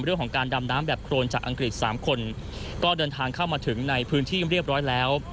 เรื่องของการดำน้ำแบบโครนจากอังกฤษสามคนก็เดินทางเข้ามาถึงในพื้นที่เรียบร้อยแล้ว